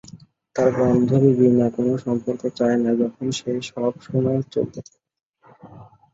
তার বান্ধবী বিনা কোন সম্পর্ক চায় না যখন সে সবসময় চলতে থাকে।